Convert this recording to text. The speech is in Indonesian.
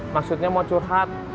maksudnya mau curhat